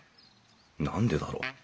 何でだろう。